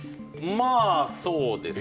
まあ、そうですね。